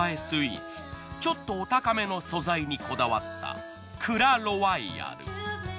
ちょっとお高めの素材にこだわったクラロワイヤル。